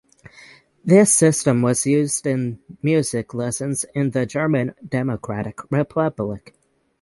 This system was used in music lessons in the German Democratic Republic.